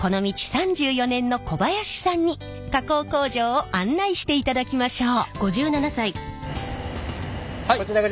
３４年の小林さんに加工工場を案内していただきましょう！